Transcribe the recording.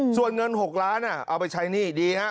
ส่วนเงิน๖ล้านเอาไปใช้หนี้ดีฮะ